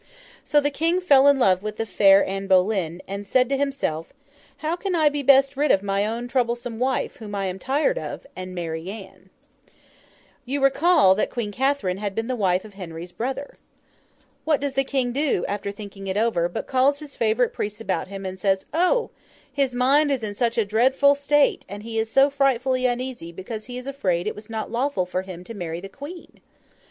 So, the King fell in love with the fair Anne Boleyn, and said to himself, 'How can I be best rid of my own troublesome wife whom I am tired of, and marry Anne?' [Illustration: Catherine was old, so he fell in love with Anne Boleyn] You recollect that Queen Catherine had been the wife of Henry's brother. What does the King do, after thinking it over, but calls his favourite priests about him, and says, O! his mind is in such a dreadful state, and he is so frightfully uneasy, because he is afraid it was not lawful for him to marry the Queen!